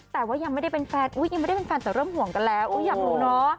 แต่ว่ายังไม่ได้เป็นแฟนแต่เริ่มห่วงกันแล้วอยากรู้หรือ